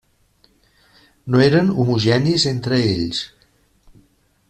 No eren homogenis entre ells.